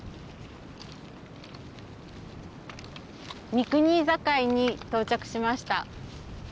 三国境に到着しました。